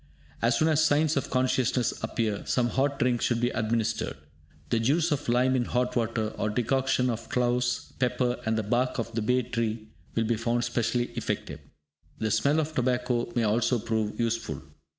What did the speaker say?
As soon as signs of consciousness appear, some hot drink should be administered. The juice of lime in hot water, or decoction of cloves, pepper, and the bark of the bay tree, will be found specially effective. The smell of tobacco may also prove useful.